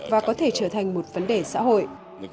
và có thể trở thành một vấn đề xã hội